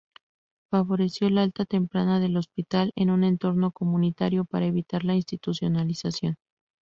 Favoreció el alta temprana del hospital en un entorno comunitario para evitar la institucionalización.